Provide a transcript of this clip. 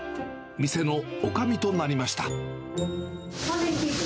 店のおかみとなりました。